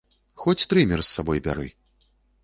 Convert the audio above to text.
Хоць трымер з сабой бяры!